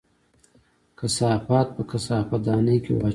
کثافات په کثافت دانۍ کې واچوه